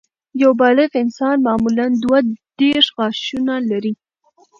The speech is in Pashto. یو بالغ انسان معمولاً دوه دیرش غاښونه لري